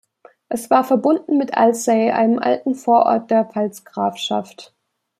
Es war verbunden mit Alzey, einem alten Vorort der Pfalzgrafschaft.